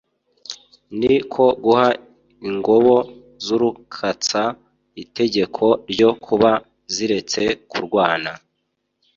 Ni ko guha ingobo z’ Urukatsa itegeko ryo kuba ziretse kurwana